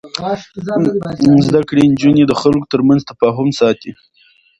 زده کړې نجونې د خلکو ترمنځ تفاهم ساتي.